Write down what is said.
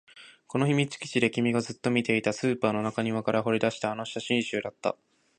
この秘密基地で君がずっと見ていた、スーパーの中庭から掘り出したあの写真集だった